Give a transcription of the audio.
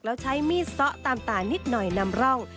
แล้วใช้มีดซะตามตานิดหน่อยนำร่อง